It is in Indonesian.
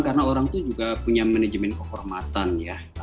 karena orang itu juga punya manajemen kehormatan ya